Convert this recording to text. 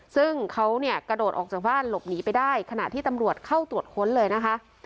ซึ่งเขาเนี่ยกระโดดออกจากบ้านหลบหนีไปได้ขณะที่ตำรวจเข้าตรวจค้นเลยนะคะ